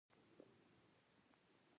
تصمیم نیول څومره ګران دي؟